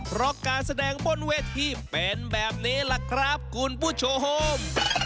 เพราะการแสดงบนเวทีเป็นแบบนี้ล่ะครับคุณผู้ชม